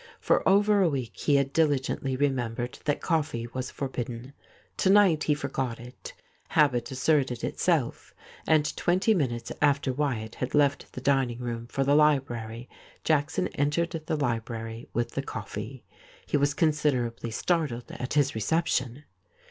For over a week he had diHgently remem bered that coifee was forbidden. To night he forgot it ; habit asserted itselfj and twenty minutes after VVyatt had left the dining room for the library, Jackson entered the library with the coffee. He was considerably startled at his recep tion.